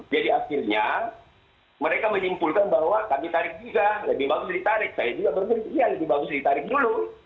jadi akhirnya mereka menyimpulkan bahwa kami tarik juga lebih bagus ditarik saya juga berpikir iya lebih bagus ditarik dulu